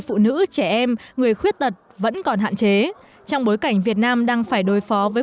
phụ nữ trẻ em người khuyết tật vẫn còn hạn chế trong bối cảnh việt nam đang phải đối phó với